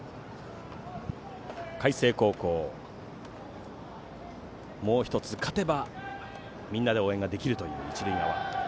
海星高校もう１つ勝てばみんなで応援ができるという一塁側。